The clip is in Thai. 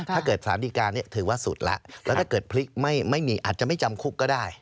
ถ้าเกิดสารดีการถือว่าสุดแล้วแล้วถ้าเกิดพลิกไม่มีอาจจะไม่จำคุกก็ได้